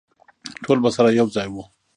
ټول به سره یوځای وو.